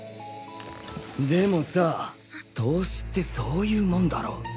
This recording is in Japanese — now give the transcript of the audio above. でもさぁ投資ってそういうモンだろ？